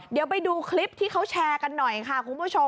เดี๋ยวไปดูคลิปที่เขาแชร์กันหน่อยค่ะคุณผู้ชม